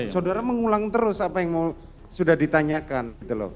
saudara mengulang terus apa yang mau sudah ditanyakan